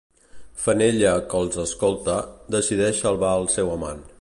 Fenella, que els escolta, decideix salvar al seu amant.